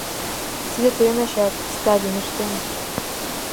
— Тидым тыйын ачат, Сталин, ыштен!